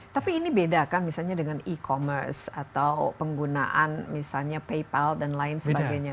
tapi ini beda kan misalnya dengan e commerce atau penggunaan misalnya paypal dan lain sebagainya